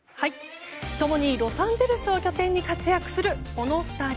共にロサンゼルスを拠点に活躍するこの２人。